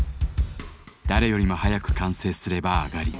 誰よりも早く完成すればアガリ。